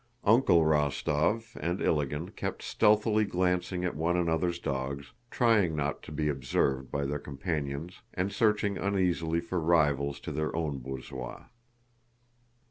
"Uncle," Rostóv, and Ilágin kept stealthily glancing at one another's dogs, trying not to be observed by their companions and searching uneasily for rivals to their own borzois.